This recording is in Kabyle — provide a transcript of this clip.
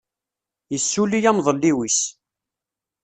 Yessuli amḍelliw-is.